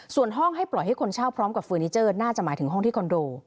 ส่วนห้องให้ปล่อยให้คนเช่าพร้อมกับเฟอร์นิเจอร์น่าจะหมายถึงห้องที่คอนโด